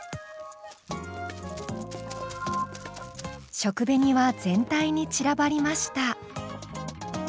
食紅は全体に散らばりました。